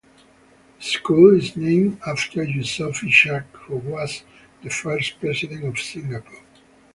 The school is named after Yusof Ishak who was the first president of Singapore.